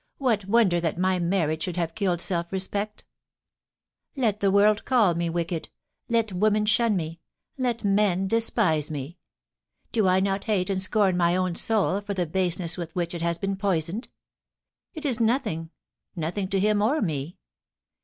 * What wonder that my marriage should have killed self respect? THE DIAMONDS. 2S7 Let the world call me wicked — let women shun me — let men despise me ! Do I not hate and scorn my own soul for the baseness with which it has been poisoned ? It is nothing — nothing to him or me